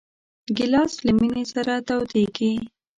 ګیلاس له مېنې سره تودېږي.